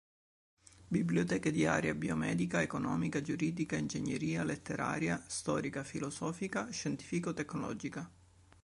Biblioteche di area: biomedica; economica; giuridica; ingegneria; letteraria, storica, filosofica; scientifico tecnologica.